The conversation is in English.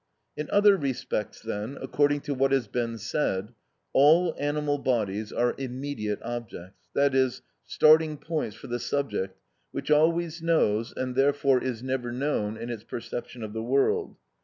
In other respects, then, according to what has been said, all animal bodies are immediate objects; that is, starting points for the subject which always knows and therefore is never known in its perception of the world.